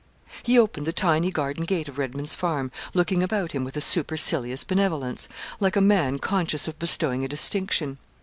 He opened the tiny garden gate of Redman's Farm, looking about him with a supercilious benevolence, like a man conscious of bestowing a distinction.